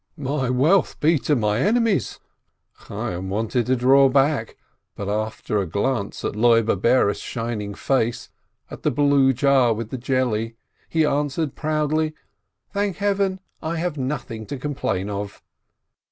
"My wealth be to my enemies!" Chayyim wanted to draw back, but after a glance at Loibe Bares' shining face, at the blue jar with the jelly, he answered proudly : "Thank Heaven, I have nothing to complain of